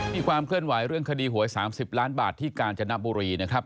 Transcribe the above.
ความเคลื่อนไหวเรื่องคดีหวย๓๐ล้านบาทที่กาญจนบุรีนะครับ